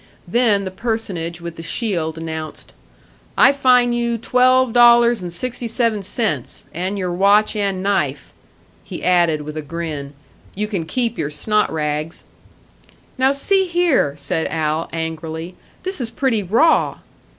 Then the personage with the shield announced, "I fine you twelve dollars and sixty seven cents, and your watch and knife." He added, with a grin, "You can keep your snot rags." "Now see here!" said Hal, angrily. "This is pretty raw!"